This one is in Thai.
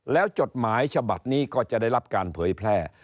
แล้วจดหมายฉบับนี้ก็จะได้รับการเผยแพร่